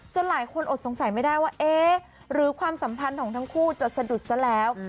หลายคนอดสงสัยไม่ได้ว่าเอ๊ะหรือความสัมพันธ์ของทั้งคู่จะสะดุดซะแล้ว